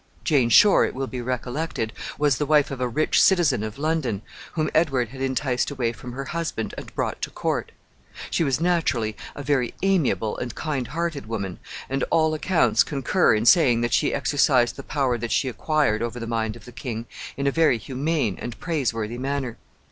Jane Shore, it will be recollected, was the wife of a rich citizen of London, whom Edward had enticed away from her husband and brought to court. She was naturally a very amiable and kind hearted woman, and all accounts concur in saying that she exercised the power that she acquired over the mind of the king in a very humane and praiseworthy manner.